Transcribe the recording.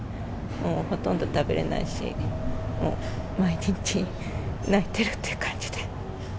もうほとんど食べれないし、もう毎日泣いてるっていう感じで。